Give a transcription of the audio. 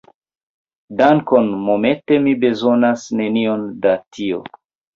Dankon, momente mi bezonas nenion da tio.